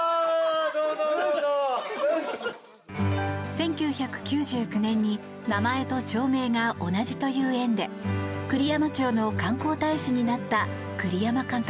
１９９９年に名前と町名が同じという縁で栗山町の観光大使になった栗山監督。